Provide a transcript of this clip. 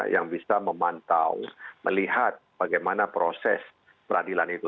yang bisa memantau melihat bagaimana proses peradilan itu